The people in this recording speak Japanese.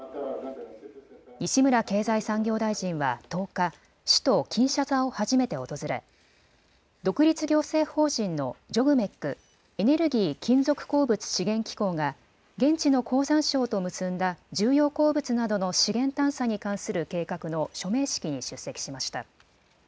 西村経済産業大臣は１０日、首都キンシャサを初めて訪れ独立行政法人のＪＯＧＭＥＣ・エネルギー・金属鉱物資源機構が現地の鉱山省と結んだ重要鉱物などの資源探査に関する計画の署名式に出席しました。